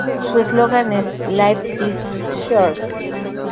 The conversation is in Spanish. Su eslogan es ""Life is short.